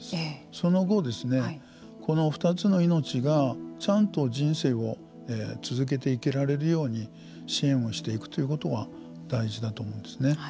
その後、この２つの命がちゃんと人生を続けていけられるように支援をしていくということが大事だと思うんですね。